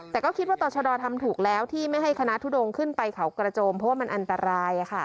แต่ก็คิดว่าต่อชะดอทำถูกแล้วที่ไม่ให้คณะทุดงขึ้นไปเขากระโจมเพราะว่ามันอันตราย